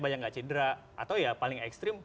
banyak gak cedera atau ya paling ekstrim